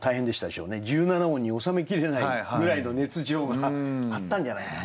１７音に収めきれないぐらいの熱情があったんじゃないかな。